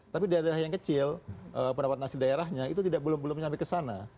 tapi daerah daerah yang kecil pendapatan asli daerahnya itu belum sampai ke sana